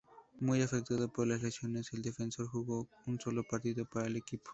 Muy afectado por las lesiones, el defensor jugó un solo partido para el equipo.